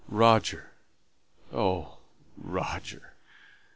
Roger. Oh, Roger!